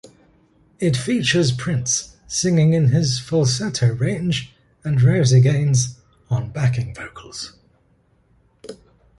It features Prince, singing in his falsetto range, and Rosie Gaines on backing vocals.